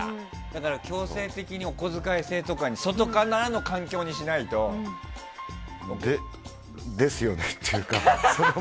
だから強制的にお小遣い制とかに外からの環境にしないと。ですよね。